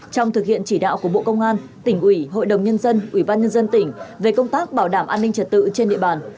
trong thực hiện chỉ đạo của bộ công an tỉnh ủy hội đồng nhân dân ủy ban nhân dân tỉnh về công tác bảo đảm an ninh trật tự trên địa bàn